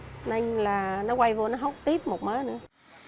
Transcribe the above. cho nên là nó quay vô nó hốt tiếp một mớ nữa